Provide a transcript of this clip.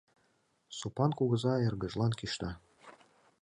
— Сопан кугыза эргыжлан кӱшта.